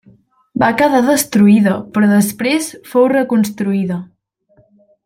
Va quedar destruïda però després fou reconstruïda.